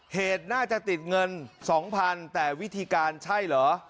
เหตุน่าจะติดเงิน๒๐๐๐แต่วิธีการใช่เหรอ